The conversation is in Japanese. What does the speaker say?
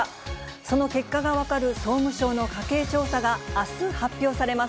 その結果が分かる総務省の家計調査があす発表されます。